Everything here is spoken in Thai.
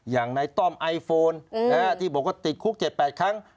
อย่างในต้อมไอโฟนที่บอกว่าติดคุก๗๘ครั้ง